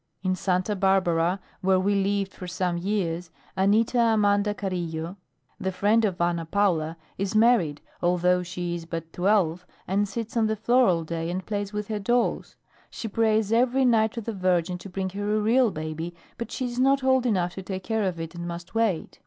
In Santa Barbara, where we lived for some years, Anita Amanda Carillo, the friend of Ana Paula, is married, although she is but twelve and sits on the floor all day and plays with her dolls. She prays every night to the Virgin to bring her a real baby, but she is not old enough to take care of it and must wait.